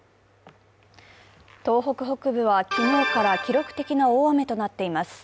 東北北部は昨日から記録的な大雨となっています。